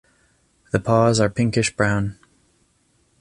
The paws are pinkish brown.